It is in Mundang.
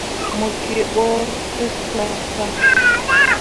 Mo gee ɓo te sah ka.